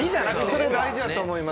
それ大事だと思います。